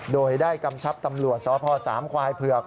โดยได้กำชับตำรวจสพสามควายเผือก